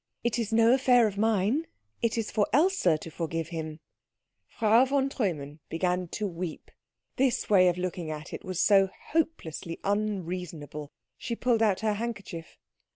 "It is no affair of mine. It is for Else to forgive him." Frau von Treumann began to weep; this way of looking at it was so hopelessly unreasonable. She pulled out her handkerchief.